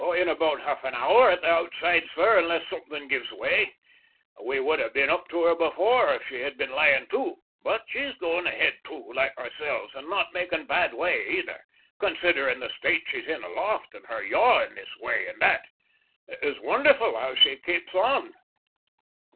"In about half an hour at the outside, sir, unless something gives way. We would have been up to her before if she had been lying to; but she's going ahead too, like ourselves, and not making bad way either, considering the state she's in aloft, and her yawing this way and that. It is wonderful how she keeps on!"